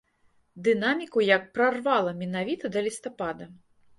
Дынаміку як прарвала менавіта да лістапада.